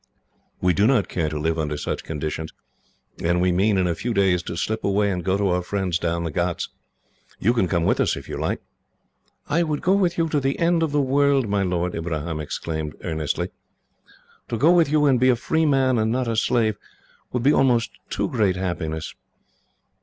We do not care to live under such conditions, and we mean, in a few days, to slip away and go to our friends down the ghauts. You can come with us, if you like." "I would go with you to the end of the world, my lord," Ibrahim exclaimed earnestly. "To go with you and be a free man, and not a slave, would be almost too great happiness."